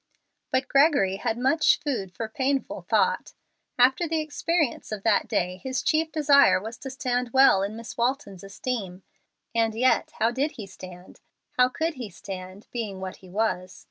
But Gregory had much food for painful thought. After the experience of that day his chief desire was to stand well in Miss Walton's esteem. And yet how did he stand how could he stand, being what he was?